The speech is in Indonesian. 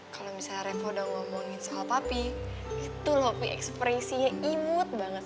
kalo misalnya reva udah ngomongin soal papi itu loh pi ekspresinya imut banget